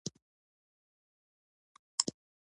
ګندهارا هنر بودا ته انساني څیره ورکړه